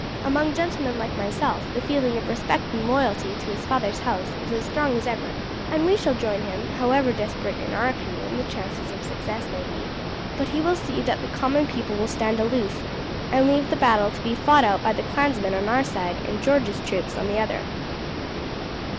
Among gentlemen like myself the feeling of respect and loyalty to his father's house is as strong as ever, and we shall join him, however desperate, in our opinion, the chances of success may be; but he will see that the common people will stand aloof, and leave the battle to be fought out by the clansmen on our side and George's troops on the other."